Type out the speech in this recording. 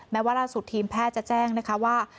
แม้ว่าราสุทธิ์ทีมแพทย์จะแจ้งว่า